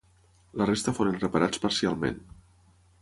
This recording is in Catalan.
La resta foren reparats parcialment.